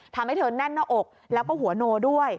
ทำให้เธอแน่นหน้าอกแล้วก็หัวโนด้วย